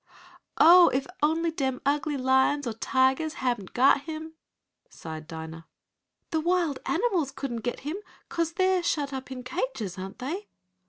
"Oh, if only dem ugly lions or tigers habn't got him!" sighed Dinah. "The wild animals couldn't get him, 'cause they're shut up in cages, aren't they?"